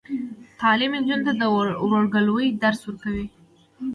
تعلیم نجونو ته د ورورګلوۍ درس ورکوي.